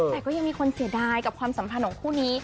แต่ก็ยังมีคนเสียดายกับความสัมพันธ์ของคู่นี้